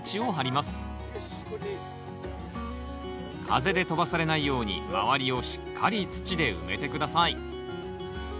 風で飛ばされないように周りをしっかり土で埋めて下さい。